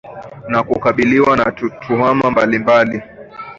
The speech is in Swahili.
na kukabiliwa na tuhuma mbalimbali